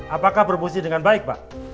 apakah berfungsi dengan baik pak